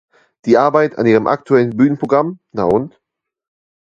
Die Arbeit an ihrem aktuellen Bühnenprogramm „Na und?